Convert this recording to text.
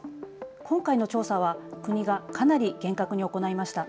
今回の調査は国がかなり厳格に行いました。